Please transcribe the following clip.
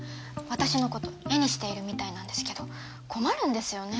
私のこと絵にしているみたいなんですけど困るんですよね